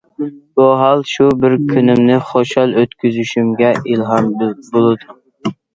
بۇ ھال شۇ بىر كۈنۈمنى خۇشال ئۆتكۈزۈشۈمگە ئىلھام بولىدۇ.